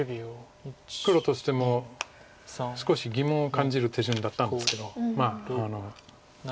黒としても少し疑問を感じる手順だったんですけど。